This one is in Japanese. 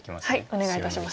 お願いいたします。